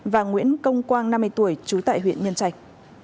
và nguyễn công quang năm mươi tuổi trú tại huyện nhân trạch